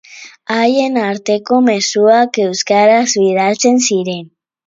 Haien arteko mezuak euskaraz bidaltzen ziren.